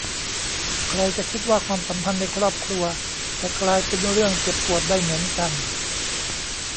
ใครจะคิดว่าความสัมพันธ์ในครอบครัวจะกลายเป็นเรื่องเจ็บปวดได้เหมือนกัน